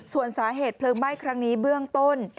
ส่วนสาเหตุเพลิงไหม้ครั้งนี้เบื้องต้น